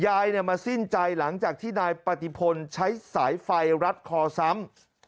ยายมาสิ้นใจหลังจากที่นายปฏิพลใช้สายไฟรัดคอซ้ำ